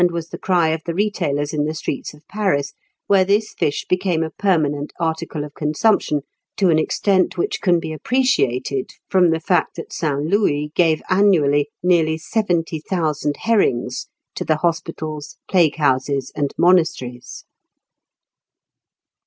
was the cry of the retailers in the streets of Paris, where this fish became a permanent article of consumption to an extent which can be appreciated from the fact that Saint Louis gave annually nearly seventy thousand herrings to the hospitals, plague houses, and monasteries.